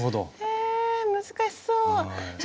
え難しそう。